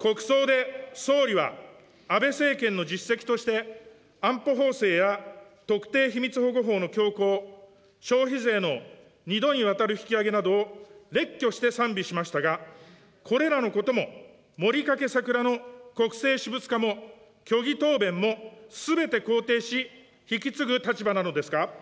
国葬で総理は、安倍政権の実績として安保法制や特定秘密保護法の強行、消費税の２度にわたる引き上げなどを列挙して賛美しましたが、これらのこともモリ・カケ・サクラの国政私物化も虚偽答弁もすべて肯定し、引き継ぐ立場なのですか。